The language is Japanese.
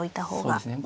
そうですね。